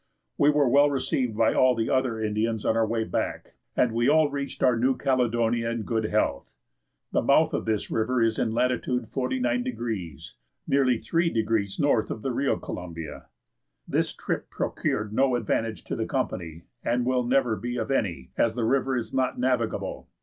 We were well received by all the other Indians on our way back, and we all reached our New Caledonia in good health. The mouth of this river is in latitude 49°, nearly 3° north of the real Columbia. This trip procured no advantage to the company, and will never be of any, as the river is not navigable.